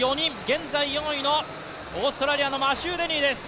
現在４位のオーストラリアのマシュー・デニーです。